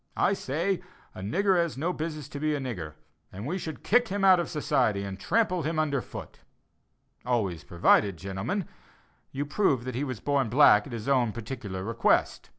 I say a 'nigger has no business to be a nigger,' and we should kick him out of society and trample him under foot always provided, gentlemen, you prove he was born black at his own particular request.